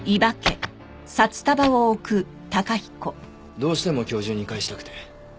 どうしても今日中に返したくて。